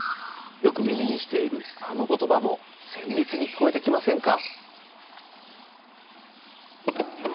よく耳にしているあのことばもせんりつにきこえてきませんか？